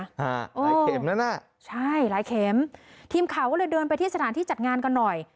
หลายเข็มแล้วน่ะใช่หลายเข็มทีมข่าวก็เลยเดินไปที่สถานที่จัดงานกันหน่อย